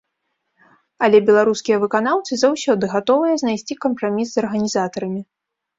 Але беларускія выканаўцы заўсёды гатовыя знайсці кампраміс з арганізатарамі.